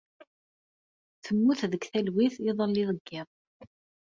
Temmut deg talwit iḍelli deg yiḍ.